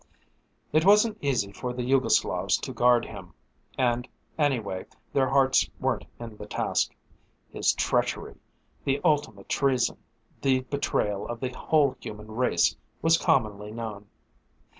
It wasn't easy for the Yugoslavs to guard him and, anyway, their hearts weren't in the task. His treachery, the ultimate treason, the betrayal of the whole human race, was commonly known.